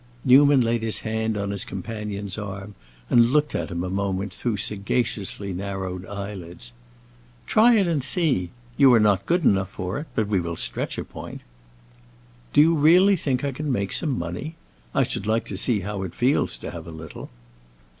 Newman laid his hand on his companion's arm and looked at him a moment through sagaciously narrowed eyelids. "Try it and see. You are not good enough for it, but we will stretch a point." "Do you really think I can make some money? I should like to see how it feels to have a little."